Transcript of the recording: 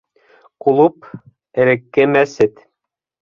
Клуб - элекке мәсет.